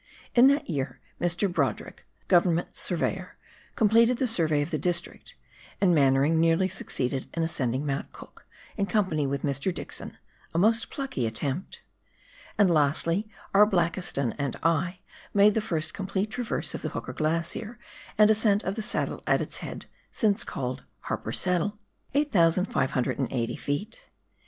In that year Mr. Brodrick, Go vernment surveyor, completed the survey of the district, and Mannering nearly succeeded in ascending Mount Cook,* in company with Mr. Dixon, a most plucky attempt. And lastly, E,. Blakiston and I made the first complete traverse of the Hooker Glacier and ascent of the saddle at its head, since called " Harper Saddle " (8,580 ft.).